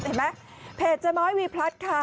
เห็นไหมเพจเจ๊ม้อยวีพลัดค่ะ